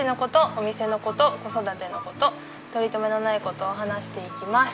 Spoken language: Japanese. お店の事子育ての事とりとめのない事を話していきます。